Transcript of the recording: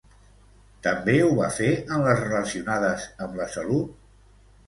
També ho va fer en les relacionades amb la salut?